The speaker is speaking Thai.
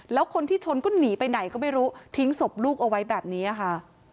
แล้วคนที่ชนก็หนีไปไหนก็ไม่รู้ทิ้งศพลูกเอาไว้แบบนี้ค่ะ